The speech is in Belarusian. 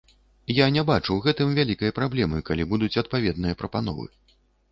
Я не бачу ў гэтым вялікай праблемы, калі будуць адпаведныя прапановы.